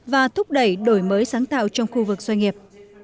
và thúc đẩy đổi mới sáng tạo trong khu vực doanh nghiệp